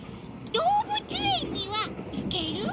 どうぶつえんにはいける？